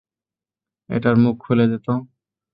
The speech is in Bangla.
এটার মুখ খুলে দে তো।